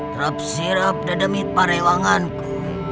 terap sirap dedemit parewanganku